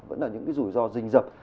vẫn là những rủi ro rình rập